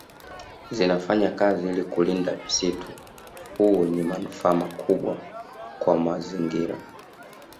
Zinafanya kazi ili kulinda msitu huu wenye manufaa makubwa kwa mazingira